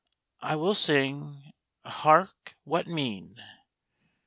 I will sing, ' Hark^ what mean